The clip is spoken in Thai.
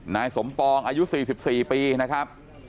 นายสมปองอายุ๔๔ปีนะครับ